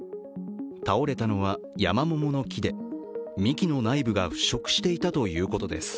倒れたのはヤマモモの木で幹の内部が腐食していたということです。